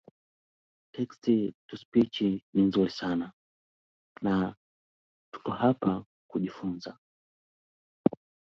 Daniels County is predominately rolling plains.